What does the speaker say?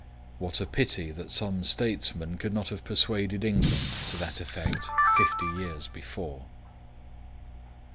What a pity that some statesman could not have persuaded England to that effect fifty years before!